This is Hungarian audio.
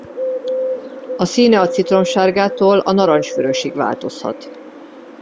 A színe a citromsárgától a narancsvörösig változhat.